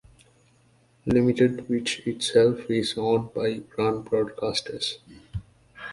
Limited, which itself is owned by Grant Broadcasters.